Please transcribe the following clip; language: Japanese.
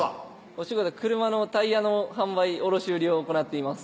お仕事は車のタイヤの販売・卸売を行っています